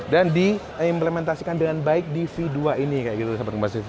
dan diimplementasikan dengan baik di v dua ini kayak gitu sobat tempat cv